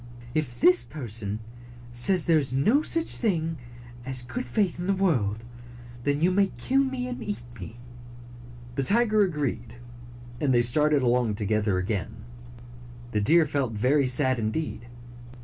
If this person says that there is no such thing in the world as good faith, then you may kill me and eat me." The tiger agreed, and they started along to gether again. The deer felt very sad, indeed.